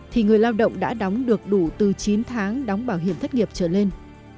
thì người lao động đã đóng được đủ từ chín tháng đóng bảo hiểm thất nghiệp trở lên